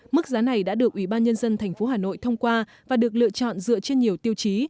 mức giá này đã được ủy ban nhân dân tp hà nội thông qua và được lựa chọn dựa trên nhiều tiêu chí